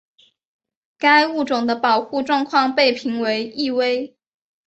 该物种的保护状况被评为易危。